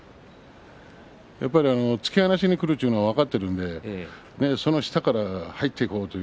やはり、突き放しにくるというのは分かってるので下から入っていこうという。